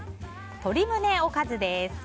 鶏胸おかずです。